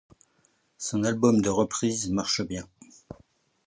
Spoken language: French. Son album de reprise marche bien.